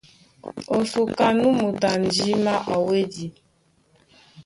Ó súká, nú moto a ndímá a wédi.